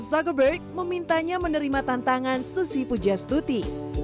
instagram zagoburg memintanya menerima tantangan susi pujastuti